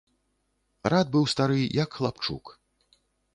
Рад быў стары, як хлапчук.